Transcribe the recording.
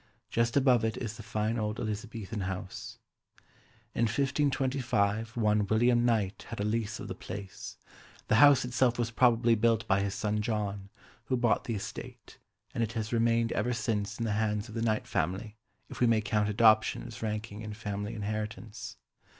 Just above it is the fine old Elizabethan house. In 1525 one William Knight had a lease of the place; the house itself was probably built by his son John, who bought the estate, and it has remained ever since in the hands of the Knight family, if we may count adoption as ranking in family inheritance.